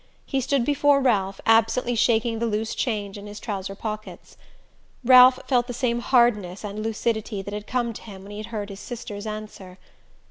He stood before Ralph, absently shaking the loose change in his trouser pockets. Ralph felt the same hardness and lucidity that had come to him when he had heard his sister's answer.